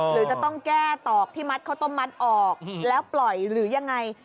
หรือจะต้องแก้ตอกที่มัดข้าวต้มมัดออกแล้วปล่อยหรือยังไง